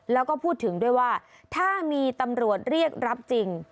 แล้วก็พูดถึงด้วยว่าถ้ามีตำรวจเรียกรับจริง